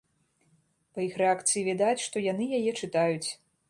Па іх рэакцыі відаць, што яны яе чытаюць.